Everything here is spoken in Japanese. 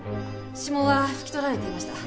指紋は拭き取られていました。